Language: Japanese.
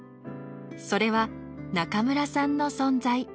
それは中村さんの存在。